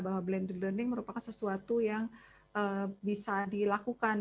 bahwa blender learning merupakan sesuatu yang bisa dilakukan